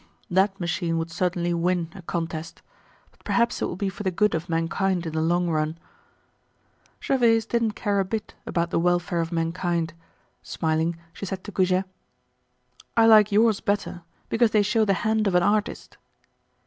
That machine would certainly win a contest. But perhaps it will be for the good of mankind in the long run." Gervaise didn't care a bit about the welfare of mankind. Smiling, she said to Goujet: "I like yours better, because they show the hand of an artist."